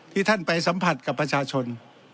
ท่านไปสัมผัสกับประชาชน